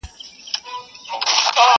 نه يې ورك سول په سرونو كي زخمونه٫